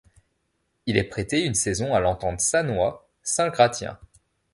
Il est prêté une saison à l'Entente Sannois Saint-Gratien.